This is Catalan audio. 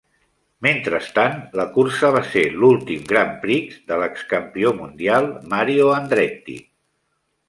Mentrestant, la cursa va ser l'últim grand prix de l'ex-campió mundial Mario Andretti.